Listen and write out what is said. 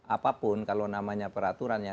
apapun kalau namanya peraturan yang